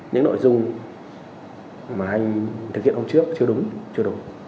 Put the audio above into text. những nội dung mà anh thực hiện hôm trước chưa đúng chưa đủ